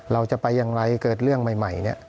เราจะไปอย่างไรเกิดเรื่องใหม่เนี่ย